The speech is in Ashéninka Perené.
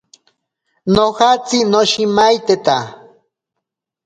Nojatsi noshimaiteta.